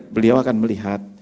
beliau akan melihat